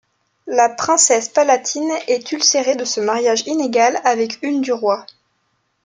La princesse Palatine est ulcérée de ce mariage inégal avec une du roi.